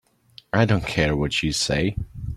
I don't care what you say.